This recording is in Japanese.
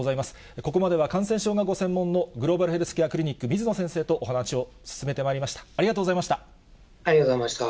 ここまでは感染症がご専門の、グローバルヘルスケアクリニック、水野先生とお話を進めてまいりました。